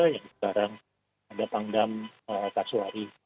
yang sekarang ada pangdam kasuari